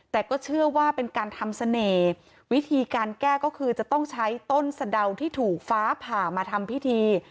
แต่ก็เชื่อว่าเป็นการทำเสน่ห์วิธีการแก้ก็คือจะต้องใช้ต้นสะเดาที่ถูกฟ้าผ่ามาทำพิธี